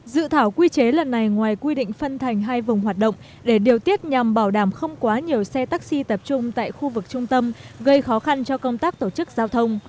dự thảo quy chế lần này ngoài quy định phân thành hai vùng hoạt động để điều tiết nhằm bảo đảm không quá nhiều xe taxi tập trung tại khu vực trung tâm gây khó khăn cho công tác tổ chức giao thông